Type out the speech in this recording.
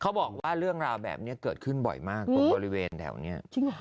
เขาบอกว่าเรื่องราวแบบนี้เกิดขึ้นบ่อยมากตรงบริเวณแถวนี้